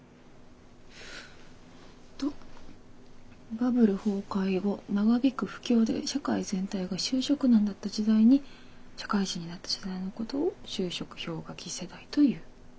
「バブル崩壊後長引く不況で社会全体が就職難だった時代に社会人になった世代のことを就職氷河期世代という」。